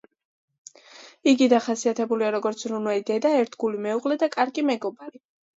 იგი დახასიათებულია როგორც მზრუნველი დედა, ერთგული მეუღლე და კარგი მეგობარი.